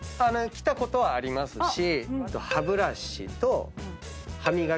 来たことはありますし。